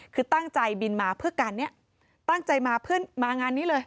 คือตั้งใจบินมาเพื่อการนี้ตั้งใจมาเพื่อนมางานนี้เลย